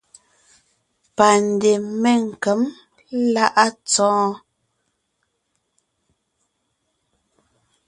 Pandè Menkěm láʼa Tsɔɔ́n.